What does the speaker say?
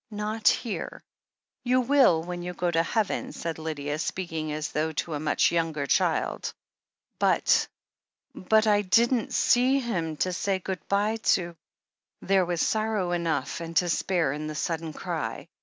"Not here. You will when you go to heaven," said Lydia, speaking as though to a much younger child. "But — but — I didn't see him to say good bye to!" There was sorrow enough and to spare in the sudden cry.